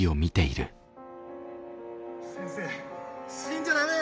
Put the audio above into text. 「先生死んじゃダメだ」。